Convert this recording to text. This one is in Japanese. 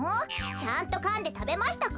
ちゃんとかんでたべましたか？